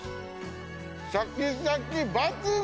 シャキシャキ抜群！